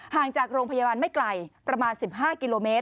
ห่างจากโรงพยาบาลไม่ไกลประมาณ๑๕กิโลเมตร